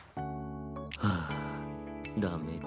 はぁダメだ。